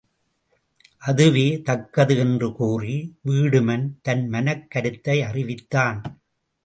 அதுவே தக்கது என்று கூறி வீடுமன், தன் மனக் கருத்தை அறிவித்தான்.